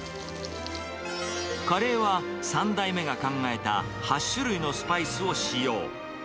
カレーは３代目が考えた８種類のスパイスを使用。